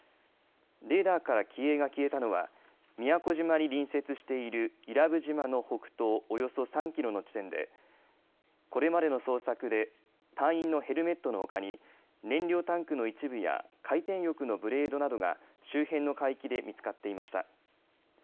レーダーから機影が消えたのは宮古島に隣接している伊良部島の北東およそ３キロの地点でこれまでの捜索で隊員のヘルメットのほかに燃料タンクの一部や回転翼のブレードなどが周辺の海域で見つかっていました。